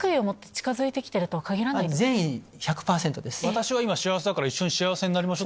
私は今幸せだから。